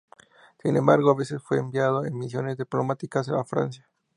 Sin embargo, a veces fue enviado en misiones diplomáticas a Francia.